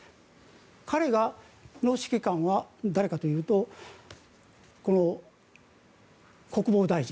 彼の指揮官は誰かというとこの国防大臣。